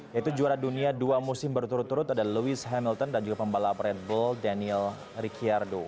yaitu juara dunia dua musim berturut turut ada lewis hamilton dan juga pembalap red bull daniel ricciardo